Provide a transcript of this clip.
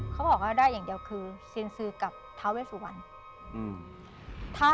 เขาบอกว่าได้อย่างเดียวคือเซียนซือกับทาเวสุวรรณ